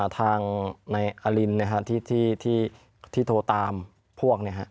ทางในอลินนะฮะที่โทรตามพวกเนี่ยฮะ